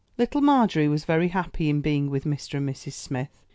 Little Margery was very happy in being with Mr. and Mrs. Smith.